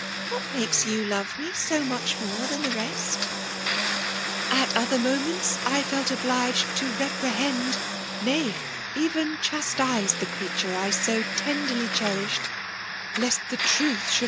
What a&akes you love me so much saore th^ the restr At other moments, I felt obliged to yeprehrad — nay, even chastise the creature I so tenderly cherished^ lest the truth should